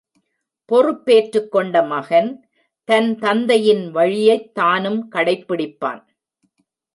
பொறுப்பேற்றுக் கொண்ட மகன், தன் தந்தையின் வழியைத் தானும் கடைப் பிடிப்பான்.